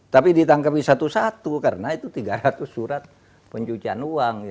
tapi ditangkapi satu satu karena itu tiga ratus surat pencucian uang